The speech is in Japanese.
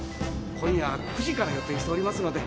今夜９時から予定しておりますので。